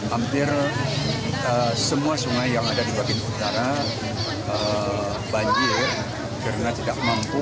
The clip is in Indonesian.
hampir semua sungai yang ada di bagian utara banjir karena tidak mampu